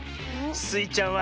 スイちゃんは。